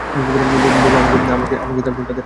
বোবো, আমাকে তোর ফোনটা দে না?